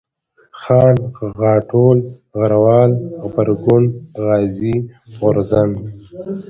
خان ، غاټول ، غروال ، غبرگون ، غازي ، غورځنگ